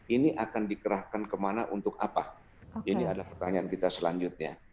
ini akan dikerahkan kemana untuk apa ini adalah pertanyaan kita selanjutnya